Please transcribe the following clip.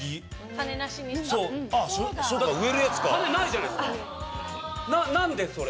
種ないじゃないですか。